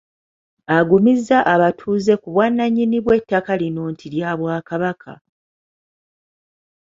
Agumizza abatuuze ku bwannannyini bw'ettaka lino nti lya Bwakabaka.